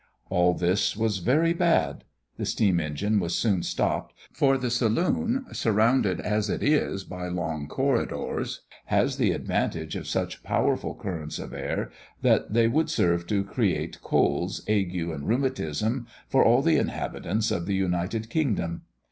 All this was very bad. The steam engine was soon stopped, for the saloon, surrounded as it is by long corridors, has the advantage of such powerful currents of air, that they would serve to create colds, ague, and rheumatism, for all the inhabitants of the United Kingdom.